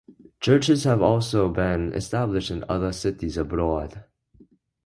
Churches have also been established in other cities abroad.